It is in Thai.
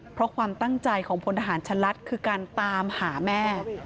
เพราะความตั้งใจของพลทหารชะลัดคือการตามหาแม่